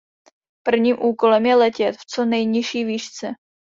Prvním úkolem je letět v co nejnižší výšce.